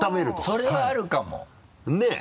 それはあるかも。ねぇ。